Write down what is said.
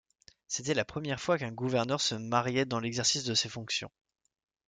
C'était la première fois qu'un gouverneur se mariait dans l'exercice de ses fonctions.